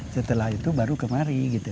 setelah itu baru kemari gitu